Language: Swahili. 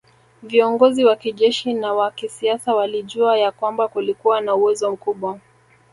Viongozi wa kijeshi na wa kisiasa walijua ya kwamba kulikuwa na uwezo mkubwa